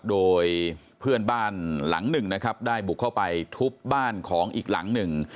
โดยเพื่อนบ้านหลังหนึ่งนะครับได้บุกเข้าไปทุบบ้านของอีกหลังหนึ่ง